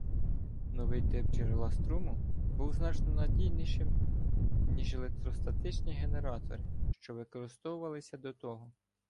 Новий тип джерела струму був значно надійнішим, ніж електростатичні генератори, що використовувалися до того.